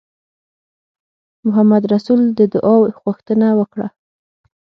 محمدرسول د دعا غوښتنه وکړه.